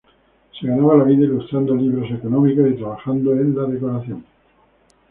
Se ganaba la vida ilustrando libros económicos y trabajando en la decoración.